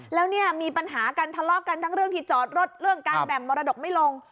แล้วเนี่ยมีปัญหากันทะเลาะกันทั้งเรื่องที่จอดรถเรื่องการแบ่งมรดกไม่ลง